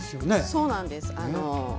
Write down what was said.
そうなんです。